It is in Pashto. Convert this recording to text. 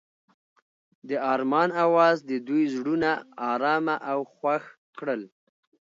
د آرمان اواز د دوی زړونه ارامه او خوښ کړل.